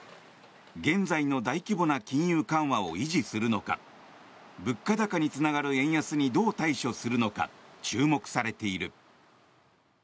現在の大規模な金融緩和を維持するのか物価高につながる円安にどう対処するのか注目されている。